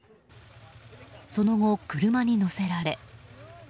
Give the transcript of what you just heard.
その後、車に乗せられ。